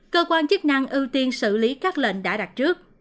cơ quan chức năng ưu tiên xử lý các lệnh đã đặt trước